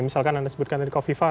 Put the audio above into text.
misalkan anda sebutkan tadi kofifa